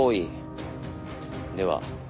では